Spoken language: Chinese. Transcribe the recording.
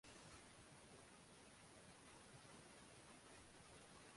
美丽老牛筋为石竹科无心菜属的植物。